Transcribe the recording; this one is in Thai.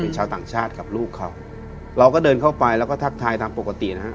ชาวต่างชาติกับลูกเขาเราก็เดินเข้าไปแล้วก็ทักทายตามปกตินะฮะ